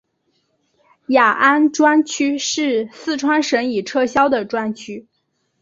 雅安专区是四川省已撤销的专区。